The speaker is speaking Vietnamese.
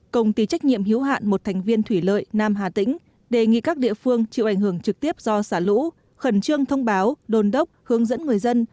công ty trách nhiệm hiếu hạn một thành viên thủy lợi nam hà tĩnh đề nghị các địa phương chịu ảnh hưởng trực tiếp do xả lũ khẩn trương thông báo đồn đốc hướng dẫn người dân